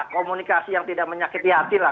komunikasi yang tidak menyakiti hati lah